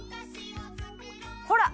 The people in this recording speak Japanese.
ほら！